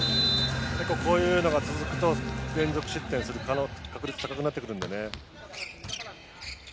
こういうのが続くと連続失点する確率が高くなってくるのでね。